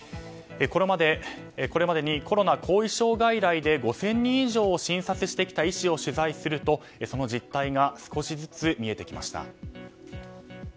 これまでに、コロナ後遺症外来で５０００人以上を診察してきた医師を取材すると、その実態が少しずつ見えてきました。